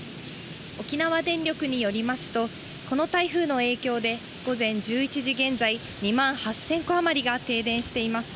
沖縄電力によりますと、この台風の影響で、午前１１時現在、２万８０００戸あまりが停電しています。